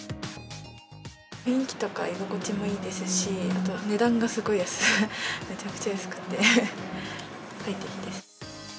雰囲気とか、居心地もいいですし、値段がすごい安い、めちゃくちゃ安くて快適です。